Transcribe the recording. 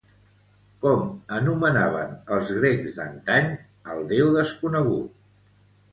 Com anomenaven els grecs d'antany al déu desconegut?